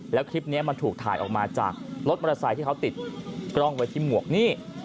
แล้วคลิปนี้มันถูกถ่ายออกมาจากรถมอเตอร์ไซค์ที่เขาติดกล้องไว้ที่หมวกนี่